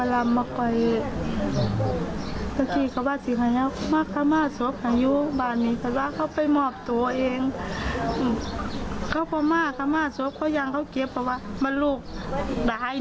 ได้นี่ก็ตีเขาตายว่าอย่างเขาเกลียบมันมาทำก็อย่างเกลียบอย่างตาย